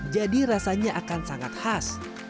jadi rasanya akan sangat khas